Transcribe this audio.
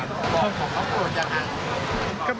บอกของเขาโกรธอย่างไร